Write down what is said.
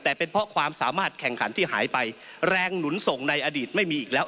แต่เป็นเพราะความสามารถแข่งขันที่หายไปแรงหนุนส่งในอดีตไม่มีอีกแล้ว